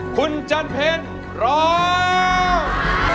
คุณจันเพลร้อง